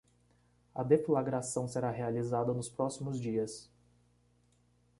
A deflagração será realizada nos próximos dias